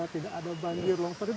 tidak ada banjir longsor